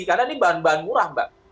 karena ini bahan bahan murah mbak